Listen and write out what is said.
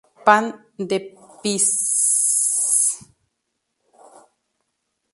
Pan de Peace!